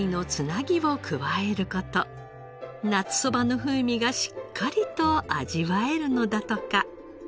夏そばの風味がしっかりと味わえるのだとか。